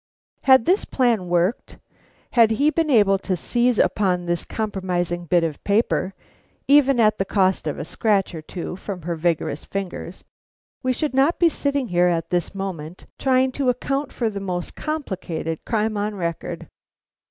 Had this plan worked; had he been able to seize upon this compromising bit of paper, even at the cost of a scratch or two from her vigorous fingers, we should not be sitting here at this moment trying to account for the most complicated crime on record.